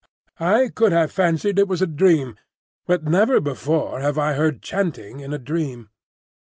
I could have fancied it was a dream, but never before have I heard chanting in a dream.